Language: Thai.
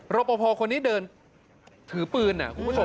รปภคนนี้เดินถือปืน